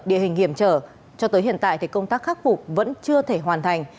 địa hình hiểm trở cho tới hiện tại thì công tác khắc phục vẫn chưa thể hoàn thành